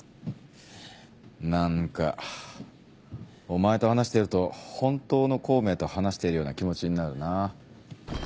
何かお前と話してると本当の孔明と話しているような気持ちになるな。